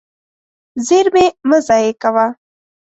زېرمې مه ضایع کوه.